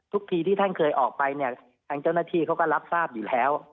ทุกทีที่ท่านเคยออกไปเนี่ยทางเจ้าหน้าที่เขาก็รับทราบอยู่แล้ว